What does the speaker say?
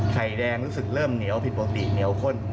ไข่แดงรู้สึกเริ่มเหนียวผิดปกติเหนียวข้น